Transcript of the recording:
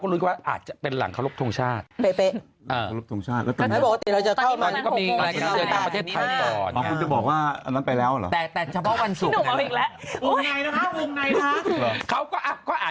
คนอยากคงอยากจะได้ยกเออ